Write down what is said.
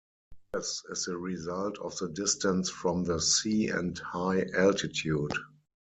This is the result of distance from the sea and high altitude.